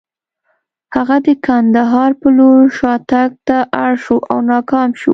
هغه د کندهار په لور شاتګ ته اړ شو او ناکام شو.